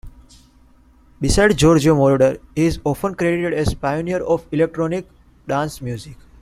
Besides Giorgio Moroder, he is often credited as a pioneer of electronic dance music.